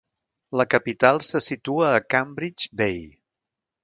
La capital se situa a Cambridge Bay.